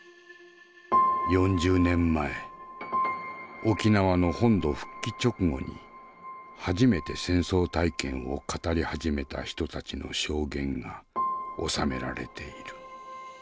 ４０年前沖縄の本土復帰直後に初めて戦争体験を語り始めた人たちの証言が収められている。